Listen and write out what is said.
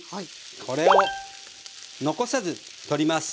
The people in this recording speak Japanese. これを残さず取ります。